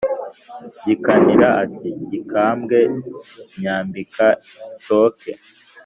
gikanira ati: “gikambwe nyambika nshoke!”